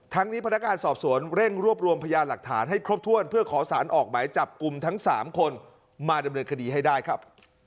นี้พนักงานสอบสวนเร่งรวบรวมพยานหลักฐานให้ครบถ้วนเพื่อขอสารออกหมายจับกลุ่มทั้ง๓คนมาดำเนินคดีให้ได้ครับ